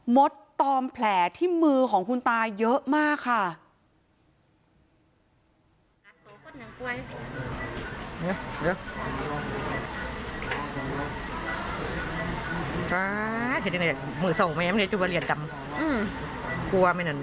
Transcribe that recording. มดตอมแผลที่มือของคุณตาเยอะมากค่ะ